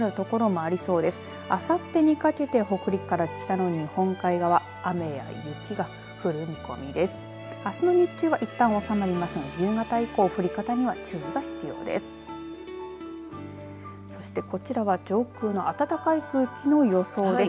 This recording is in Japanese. あすの日中は、いったん収まりますが夕方以降降り方には注意が必要です。